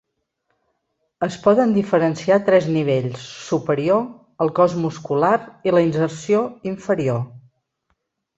Es poden diferenciar tres nivells: superior, el cos muscular i la inserció inferior.